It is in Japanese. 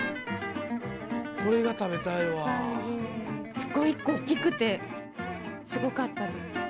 すごい１個大きくてすごかったです。